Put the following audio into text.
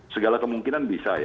segala kemungkinan bisa ya